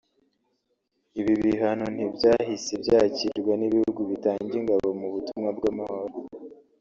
Ibi bihano ntibyahise byakirwa n’ibihugu bitanga ingabo mu butumwa bw’amahoro